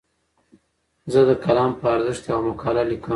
زه د قلم په ارزښت یوه مقاله لیکم.